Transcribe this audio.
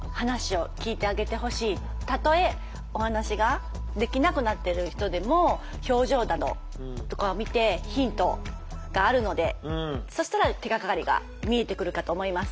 たとえお話ができなくなってる人でも表情などとかを見てヒントがあるのでそしたら手がかりが見えてくるかと思います。